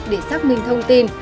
để xác minh thông tin